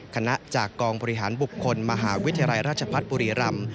จากกองบริหารบุคคลมหาวิทยาลัยราชพัฒน์บุรีรำ